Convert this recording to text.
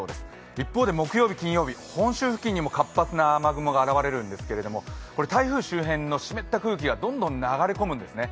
一方で木曜日、金曜日、本州付近にも活発な雨雲が出始めるんですけれども台風周辺の湿った空気がどんどん流れ込むんですね。